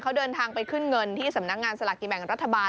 เขาเดินทางไปขึ้นเงินที่สำนักงานสลากกินแบ่งรัฐบาล